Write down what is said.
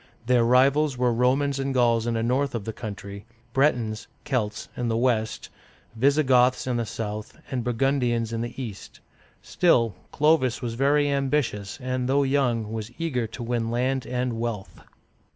Their rivals were Romans and Gauls in the north of the country, Bret'ons (Celts) in the west, Visi goths in the south, and Burgundians in the east. Still, Clovis was very ambitious, and though young, was eager to win land and wealth.